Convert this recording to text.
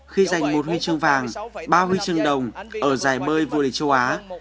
khi giành một huy chương vàng ba huy chương đồng ở giải bơi vua lịch châu á